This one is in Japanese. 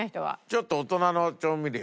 ちょっと大人の調味料？